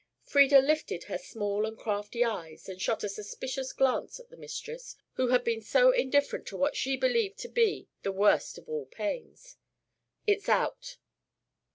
Frieda lifted her small and crafty eyes and shot a suspicious glance at the mistress who had been so indifferent to what she believed to be the worst of all pains. "It's out."